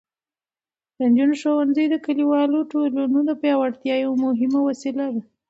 د نجونو ښوونځي د کلیوالو ټولنو د پیاوړتیا یوه مهمه وسیله ده.